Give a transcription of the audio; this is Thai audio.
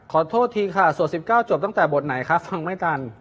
ขอโทษทีค่ะสวด๑๙จบตั้งแต่บทไหนคะฟังไม่ทัน